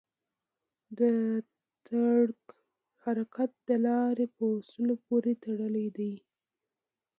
د ټرک حرکت د لارې په اصولو پورې تړلی دی.